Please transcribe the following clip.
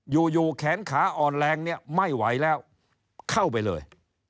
อยู่อยู่แขนขาอ่อนแรงเนี่ยไม่ไหวแล้วเข้าไปเลย